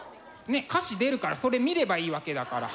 ねえ歌詞出るからそれ見ればいいわけだから。